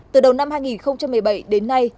từ đầu năm hai nghìn một mươi bảy đến nay